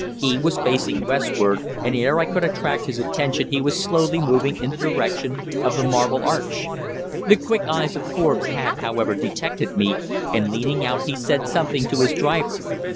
He was facing westward, and ere I could attract his attention he was slowly moving in the direction of the Marble Arch. The quick eyes of Forbes had, however, detected me, and, leaning out, he said something to his driver.